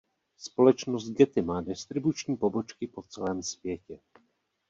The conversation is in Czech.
Společnost Getty má distribuční pobočky po celém světě.